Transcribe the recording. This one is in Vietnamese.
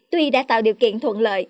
tuy đã tạo điều kiện thuận lợi